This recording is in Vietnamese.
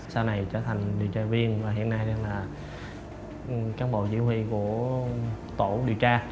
sau này trở thành điều tra viên và hiện nay là cán bộ chỉ huy của tổ điều tra